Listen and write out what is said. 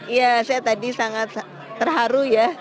iya saya tadi sangat terharu ya